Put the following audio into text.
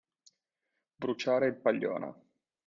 Bruciare il paglione.